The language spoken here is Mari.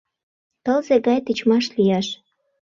Тылзе гай тичмаш лияш